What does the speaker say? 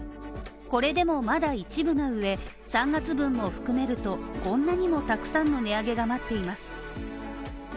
これでもまだ一部の上、３月分も含めると、こんなにもたくさんの値上げが待っています。